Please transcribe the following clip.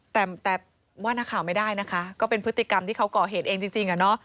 แต่ว่านักข่าวไม่ได้นะคะก็เป็นพฤติกรรมที่เขาก่อเหตุเองจริงอะเนาะ